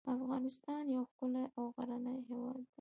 افغانستان یو ښکلی او غرنی هیواد دی .